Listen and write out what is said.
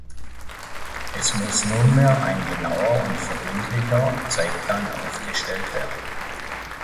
Es muss nunmehr ein genauer und verbindlicher Zeitplan aufgestellt werden.